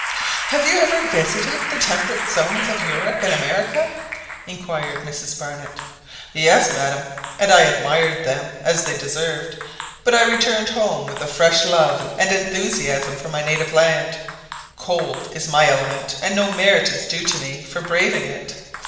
"Have you ever visited the temperate zones of Europe and America?" inquired Mrs Barnett. "Yes, madam; and I admired them as they deserved. But I returned home with fresh love and enthusiasm for my native land. Cold is my element, and no merit is due to me for braving it.